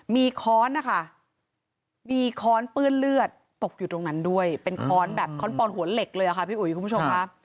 มีค้อนนะคะมีค้อนเปื้อนเลือดตกอยู่ตรงนั้นด้วยเป็นค้อนแบบค้อนปอนหัวเหล็กเลยค่ะพี่อุ๋ยคุณผู้ชมค่ะ